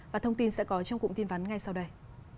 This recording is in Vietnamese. và thông tin sẽ có trong cụm tin vắn ngay sau đây